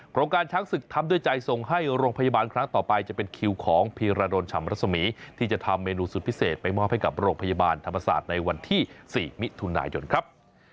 โครงการช้างศึกทำด้วยใจส่งให้โรงพยาบาลครั้งต่อไปจะเป็นคิวของพีรดลชำรัศมีที่จะทำเมนูสุดพิเศษไปมอบให้กับโรงพยาบาลธรรมศาสตร์ในวันที่๔มิถุนายนครับ